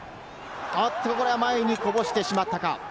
これは前にこぼしてしまったか？